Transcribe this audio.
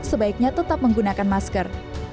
sebaiknya tetap menggunakan masker